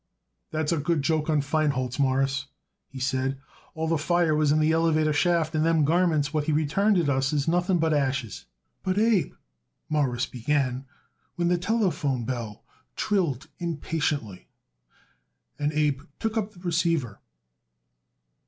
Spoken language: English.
"That's a good joke on Feinholz, Mawruss," he said. "All the fire was in the elevator shaft and them garments what he returned it us is nothing but ashes." "But, Abe," Morris began, when the telephone bell trilled impatiently. Abe took up the receiver.